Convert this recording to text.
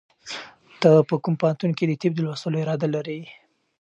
ته په کوم پوهنتون کې د طب د لوستلو اراده لرې؟